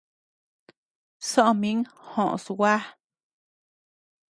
Soʼö min joʼos, gua.